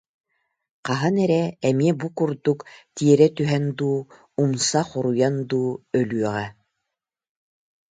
Хаһан эрэ эмиэ бу курдук тиэрэ түһэн дуу, умса хоруйан дуу өлүөҕэ